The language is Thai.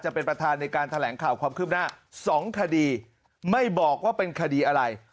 เป็นประธานในการแถลงข่าวความคืบหน้าสองคดีไม่บอกว่าเป็นคดีอะไร